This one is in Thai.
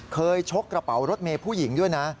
ชกกระเป๋ารถเมย์ผู้หญิงด้วยนะ